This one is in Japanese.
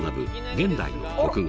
「現代の国語」。